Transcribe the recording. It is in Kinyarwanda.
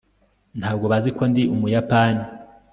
ntabwo bazi ko ndi umuyapani